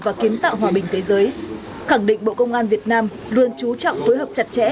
và kiến tạo hòa bình thế giới khẳng định bộ công an việt nam luôn trú trọng phối hợp chặt chẽ